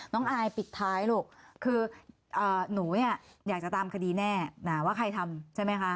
อายปิดท้ายลูกคือหนูเนี่ยอยากจะตามคดีแน่ว่าใครทำใช่ไหมคะ